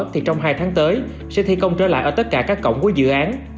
thì trong hai tháng tới sẽ thi công trở lại ở tất cả các cổng của dự án